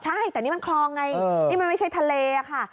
ใช่แต่นี่มันคลองไงนี่มันไม่ใช่ทะเลค่ะ